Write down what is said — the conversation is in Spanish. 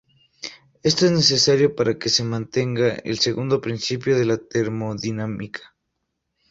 Esto es necesario para que se mantenga el segundo principio de la termodinámica.